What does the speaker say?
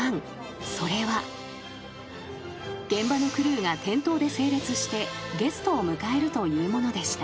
［現場のクルーが店頭で整列してゲストを迎えるというものでした］